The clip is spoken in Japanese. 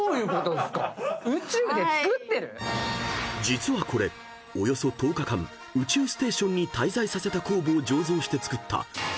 ［実はこれおよそ１０日間宇宙ステーションに滞在させた酵母を醸造して作った］